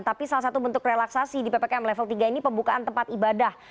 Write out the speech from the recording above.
tapi salah satu bentuk relaksasi di ppkm level tiga ini pembukaan tempat ibadah